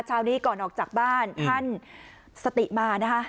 เช้านี้ก่อนออกจากบ้านท่านสติมานะคะ